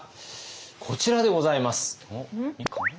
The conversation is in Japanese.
こちらでございます。